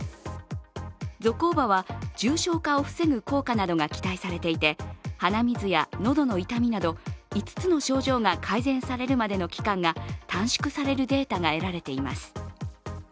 ゾコーバは重症化を防ぐ効果などが期待されていて鼻水や喉の痛みなど５つの症状が改善されるまでの期間が短縮されるデータが得られています。